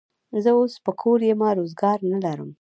زه اوس په کور یمه، روزګار نه لرم.